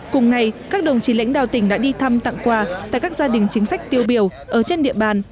cùng ngày các đồng chí lãnh đạo tỉnh đã đi thăm tặng quà tại các gia đình chính sách tiêu biểu ở trên địa bàn